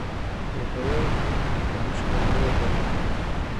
. پېښور: دانش خپرندويه ټولنه